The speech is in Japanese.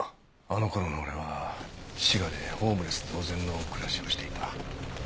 あの頃の俺は滋賀でホームレス同然の暮らしをしていた。